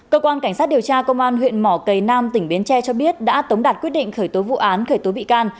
cơ quan cảnh sát điều tra công an huyện mỏ cầy nam tỉnh bến tre cho biết đã tống đạt quyết định khởi tố vụ án khởi tố bị can